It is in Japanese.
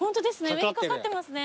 上にかかってますね。